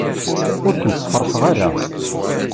Ur ken-sefṛaḥeɣ ara.